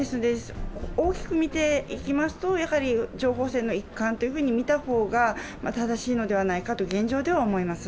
大きく見ていきますと、やはり情報戦の一環と見た方が正しいのではないかと現状では思います。